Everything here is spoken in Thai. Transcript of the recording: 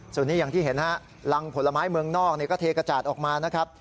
ส่วนนี้อย่างที่เห็นฮะรังผลไม้เมืองนอกก็เทกระจาดออกมานะครับ